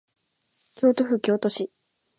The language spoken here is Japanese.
京都府京都市